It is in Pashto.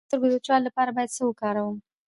د سترګو د وچوالي لپاره باید څه وکاروم؟